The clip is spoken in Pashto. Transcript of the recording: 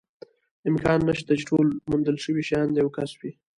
امکان نشته، چې ټول موندل شوي شیان د یوه کس وي.